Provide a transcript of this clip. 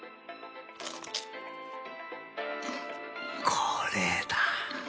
これだ！